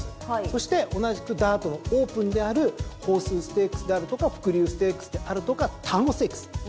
そして同じくダートのオープンである鳳雛ステークスであるとか伏竜ステークスであるとか端午ステークス。